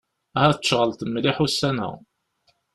Ahat tceɣleḍ mliḥ ussan-a.